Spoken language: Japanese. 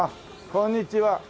こんにちは。